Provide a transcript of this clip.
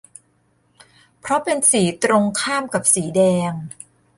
เพราะเป็นสีตรงข้ามกับสีแดง